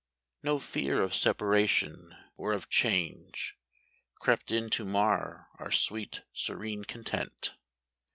No fear of separation or of change Crept in to mar our sweet serene content.